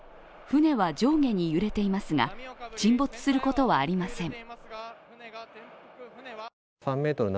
船は上下に揺れていますが、沈没することはありません。